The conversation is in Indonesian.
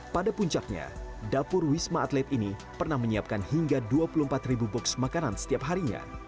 pada puncaknya dapur wisma atlet ini pernah menyiapkan hingga dua puluh empat ribu box makanan setiap harinya